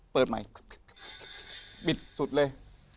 เปิดใหม่บิดสุดเลย